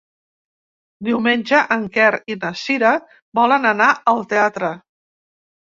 Diumenge en Quer i na Cira volen anar al teatre.